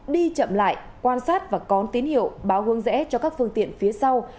đi chậm lại quan sát và có tín hiệu báo hướng rẽ cho các phương tiện phía sau